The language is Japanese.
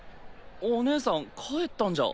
お姉さん帰ったんじゃ。